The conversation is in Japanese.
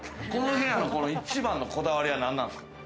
この部屋の一番のこだわりはなんですか？